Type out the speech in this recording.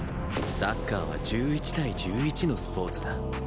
サッカーは１１対１１のスポーツだ。